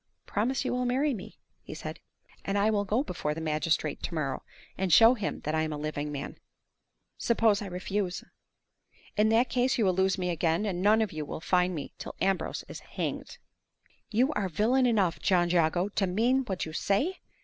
"Promise you will marry me," he said, "and I will go before the magistrate to morrow, and show him that I am a living man." "Suppose I refuse?" "In that case you will lose me again, and none of you will find me till Ambrose is hanged." "Are you villain enough, John Jago, to mean what you say?"